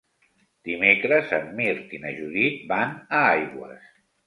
Dimecres en Mirt i na Judit van a Aigües.